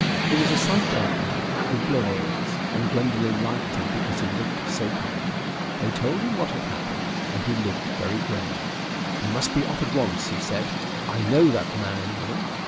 He was a sunburnt man with blue eyes, and Gwendolen liked him because he looked so kind. They told him what had happened, and he looked very grave. "We must be off at once," he said. "I know that man and woman."